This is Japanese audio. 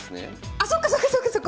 あそっかそっかそっかそっか！